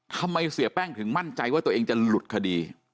เสียแป้งถึงมั่นใจว่าตัวเองจะหลุดคดี